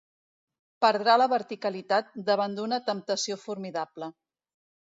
Perdrà la verticalitat davant d'una temptació formidable.